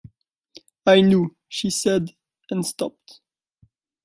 “I knew,” she said, and stopped.